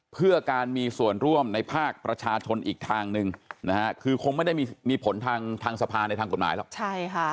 เพื่อการมีส่วนร่วมในภาคประชาชนอีกทางหนึ่งนะฮะคือคงไม่ได้มีผลทางสภาในทางกฎหมายหรอกใช่ค่ะ